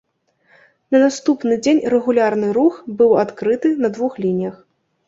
На наступны дзень рэгулярны рух быў адкрыты на двух лініях.